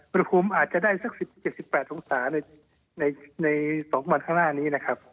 อุณหภูมิอาจจะได้สัก๑๗๑๘องศาใน๒วันข้างหน้านี้นะครับ